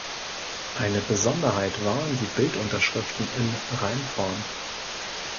Eine Besonderheit waren die Bildunterschriften in Reimform.